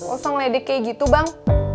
osong ledek kayak gitu bang